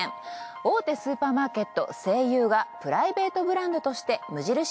大手スーパーマーケット西友がプライベートブランドとして無印